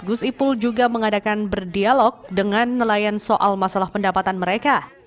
gus ipul juga mengadakan berdialog dengan nelayan soal masalah pendapatan mereka